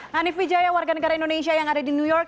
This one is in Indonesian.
hanif wijaya warga negara indonesia yang ada di new york